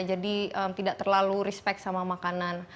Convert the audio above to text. jadi tidak terlalu respect sama makanan